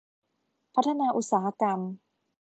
พัฒนาอุตสาหกรรม